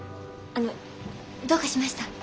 あのどうかしました？